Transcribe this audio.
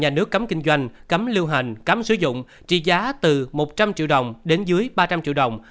nhà nước cấm kinh doanh cấm lưu hành cấm sử dụng trị giá từ một trăm linh triệu đồng đến dưới ba trăm linh triệu đồng